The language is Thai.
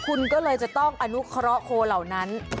คุณก็เลยจะต้องอนุเคราะห์โคเหล่านั้น